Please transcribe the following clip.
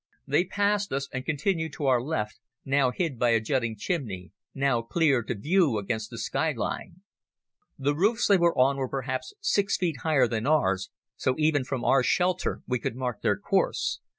They passed us and continued to our left, now hid by a jutting chimney, now clear to view against the sky line. The roofs they were on were perhaps six feet higher than ours, so even from our shelter we could mark their course.